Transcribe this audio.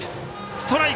ストライク！